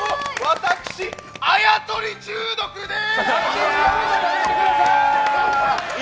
私、あやとり中毒です！